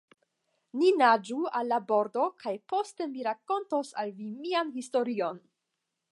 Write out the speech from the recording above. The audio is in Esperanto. Ni naĝu al la bordo, kaj poste mi rakontos al vi mian historion.